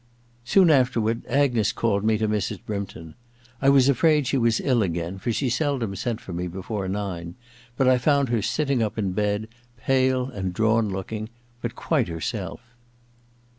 Soon afterward, Agnes called me to Mrs. Brympton. I was afraid she was ill again, for she seldom sent for me before nine, but I found her sitting up in bed, pale and drawn looking, but quite herself.